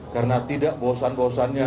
karena tidak bosan bosannya